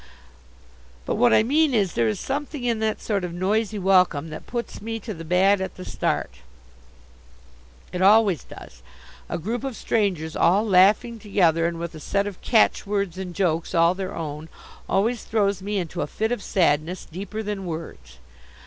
But what I mean is, there is something in that sort of noisy welcome that puts me to the bad at the start. It always does. A group of strangers all laughing together, and with a set of catchwords and jokes all their own, always throws me into a fit of sadness, deeper than words.